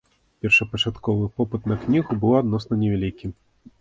Першапачатковы попыт на кнігу быў адносна невялікі.